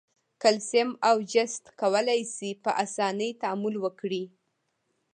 کلسیم او جست کولای شي په آساني تعامل وکړي.